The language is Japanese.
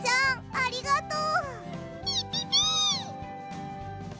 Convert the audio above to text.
ありがとう！